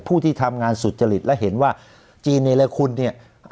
ผู้ที่ทำงานสุจริตแล้วเห็นว่าจีนเองเลยคุณเนี่ย